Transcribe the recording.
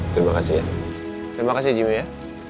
terima kasih ya terima kasih jimmy ya